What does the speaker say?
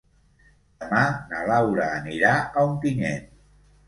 Demà na Laura anirà a Ontinyent.